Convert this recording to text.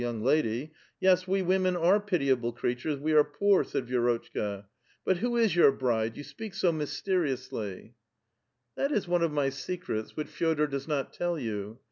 young lady ; yes, we women are pitiable creatures, we are poor," said Vi^ rotchka ;" but who is your bride? You speak so mysteri ouslv 1 " A VITAL QUESTION. 69 *' That is one of my secrets which Fe6dor does not tell you.